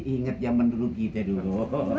ingat yang menurut kita dulu